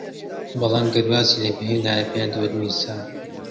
بەڵام گەر وازی لێبھێنایە پێیان دەوت میرزا